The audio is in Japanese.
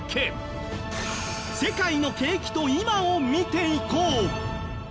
世界の景気と今を見ていこう。